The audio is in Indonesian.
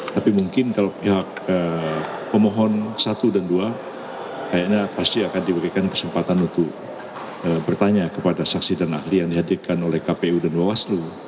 tapi mungkin kalau pihak pemohon satu dan dua kayaknya pasti akan diberikan kesempatan untuk bertanya kepada saksi dan ahli yang dihadirkan oleh kpu dan bawaslu